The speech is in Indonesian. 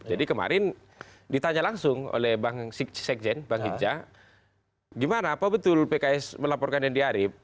kemarin ditanya langsung oleh bang sekjen bang hinca gimana apa betul pks melaporkan andi arief